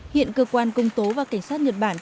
hiện cơ quan công tố và cảnh sát nhật bản